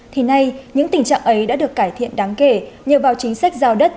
thì nay những tình trạng ấy đã được cải thiện đáng kể nhờ vào chính sách giao đất